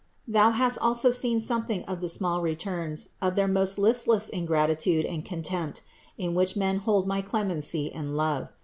53 54 CITY OF GOD Thou hast also seen something of the small returns, of their most listless ingratitude and contempt, in which men hold my clemency and love.